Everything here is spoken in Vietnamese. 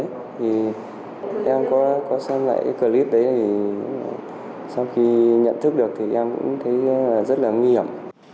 thì em có xem lại clip đấy thì sau khi nhận thức được thì em cũng thấy rất là nguy hiểm